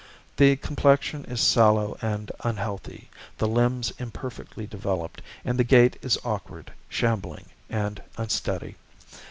The complexion is sallow and unhealthy, the limbs imperfectly developed, and the gait is awkward, shambling, and unsteady.